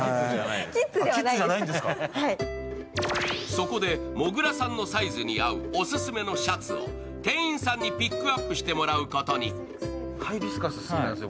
そこで、もぐらさんのサイズに合うオススメのシャツを店員さんにピックアップしてもらうことに。